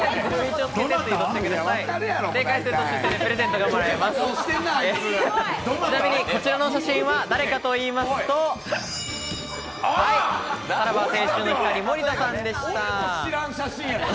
ちなみに、こちらの写真は誰かといいますと、さらば青春の光・森田さんでした。